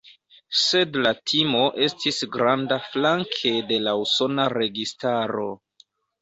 Sed la timo estis granda flanke de la usona registaro.